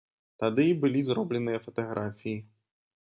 Тады і былі зробленыя фатаграфіі.